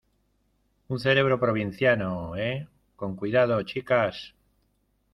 un cerebro provinciano... eh, con cuidado , chicas .